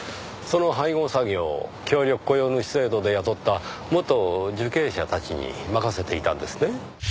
その配合作業を協力雇用主制度で雇った元受刑者たちに任せていたんですね？